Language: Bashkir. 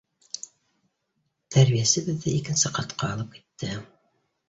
Тәрбиәсе беҙҙе икенсе ҡатҡа алып китте.